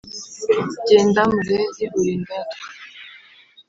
Jyenda murezi uri indatwa!